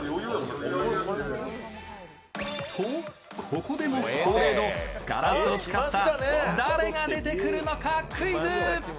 ここでも恒例のガラスを使った誰が出てくるのかクイズ。